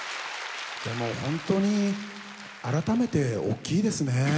でも本当に改めて大きいですね。